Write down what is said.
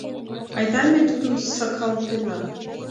— Айда ме тудым сакалтена?